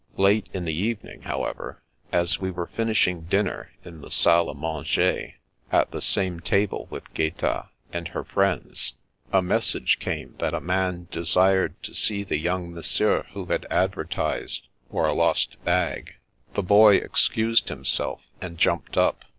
Late in the evening, however, as we were finishing dinner in the salle A manger, at the same table with Gaeta and her friends, a message came that a man desired to see the young monsieur who had advertised for a lost bag. The Boy excused himself, and jumped up.